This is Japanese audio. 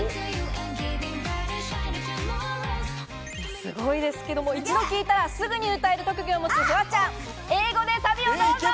すごいですけども、一度聞いたらすぐに歌える特技を持つフワちゃん、英語でサビをどうぞ。